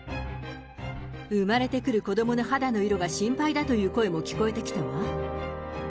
生まれてくる子どもの肌の色が心配だという声も聞こえてきたわ。